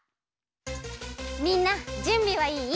みんなじゅんびはいい？